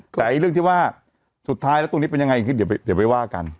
แต่เรื่องที่ว่าสุดท้ายแล้วตรงนี้เป็นยังไงขึ้นเดี๋ยวไปว่ากัน